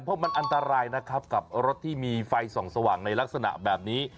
เพราะมันอันตรายนะครับกับรถที่มีไฟส่องสว่างในลักษณะแบบนี้